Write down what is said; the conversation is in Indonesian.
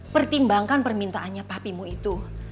pertimbangkan permintaannya papimu itu